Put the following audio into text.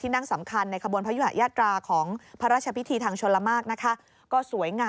ได้บรรยากาศสงคราน